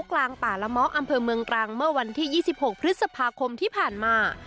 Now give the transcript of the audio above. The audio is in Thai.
กลางป่าละเมาะอำเภอเมืองตรังเมื่อวันที่๒๖พฤษภาคมที่ผ่านมา